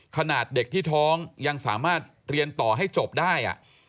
ขนาดเด็กที่ท้องยังสามารถเรียนต่อให้จบได้